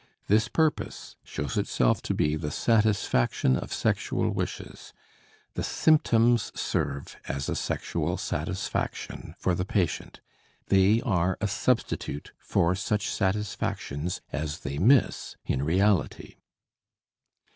This purpose shows itself to be the satisfaction of sexual wishes; the symptoms serve as a sexual satisfaction for the patient, they are a substitute for such satisfactions as they miss in reality.